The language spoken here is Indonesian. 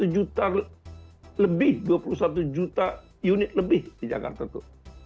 dua puluh satu juta lebih dua puluh satu juta unit lebih di jakarta itu